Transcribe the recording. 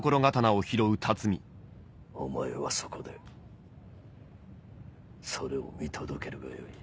お前はそこでそれを見届けるがよい。